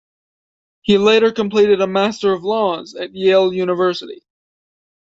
He later completed a Master of Laws at Yale University.